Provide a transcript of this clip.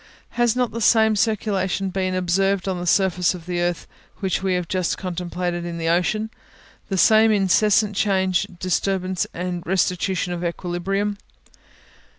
Has not the same circulation been observed on the surface of the earth which we have just contemplated in the ocean, the same incessant change, disturbance and restitution of equilibrium?